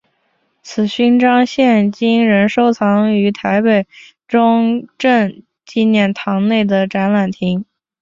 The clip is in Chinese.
此勋章现今仍收藏于台北中正纪念堂内的展览厅。